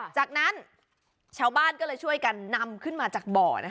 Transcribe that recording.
จากนั้นชาวบ้านก็เลยช่วยกันนำขึ้นมาจากบ่อ